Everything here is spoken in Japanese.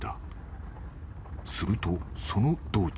［するとその道中］